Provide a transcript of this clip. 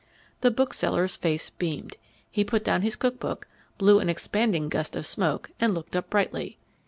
The bookseller's face beamed. He put down his cook book, blew an expanding gust of smoke, and looked up brightly.